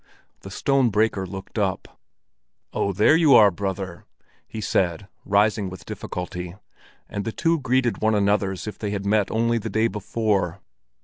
The stone breaker looked up. "Oh, there you are, brother!" he said, rising with difficulty; and the two greeted one another as if they had met only the day before.